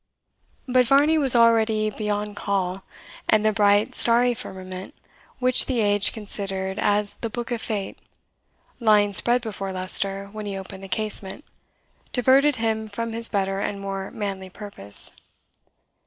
But Varney was already beyond call; and the bright, starry firmament, which the age considered as the Book of Fate, lying spread before Leicester when he opened the casement, diverted him from his better and more manly purpose.